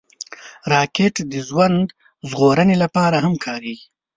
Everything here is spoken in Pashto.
راکټ د ژوند ژغورنې لپاره هم کارېږي